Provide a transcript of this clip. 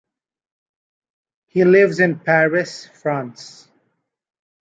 He lives in Paris, France.